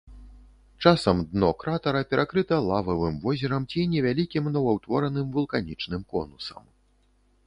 Часам дно кратара перакрыта лававым возерам ці невялікім новаўтвораным вулканічным конусам.